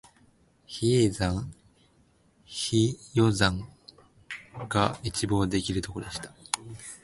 比叡山、比良山が一望できるところでした